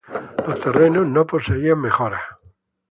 Los terrenos no poseían mejoras.